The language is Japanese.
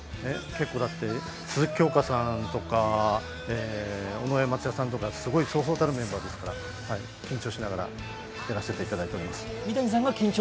鈴木京香さんとか尾上松也さんとかすごいそうそうたるメンバーですから緊張しながらやらせていただいています。